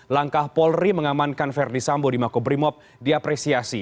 langkah polri mengamankan verdi sambo di makobrimob diapresiasi